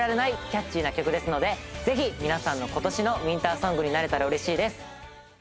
キャッチーな曲ですのでぜひ皆さんの今年のウインターソングになれたら嬉しいです